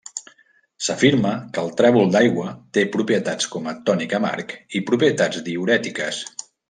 S'afirma que el trèvol d'aigua té propietats com a tònic amarg i propietats diürètiques.